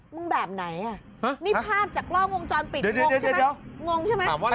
แบบไหนอ่ะนี่ภาพจากกล้องวงจรปิดงงใช่ไหมงงใช่ไหม